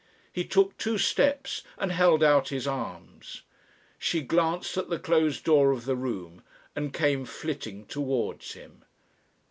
He took two steps and held out his arms. She glanced at the closed door of the room and came flitting towards him....